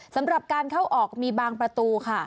สำหรับการเข้าออกมีบางประตูค่ะ